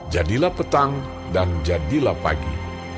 jadilah petang dan jadilah pagi